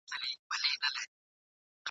له نیکه مو اورېدلي څو کیسې د توتکیو !.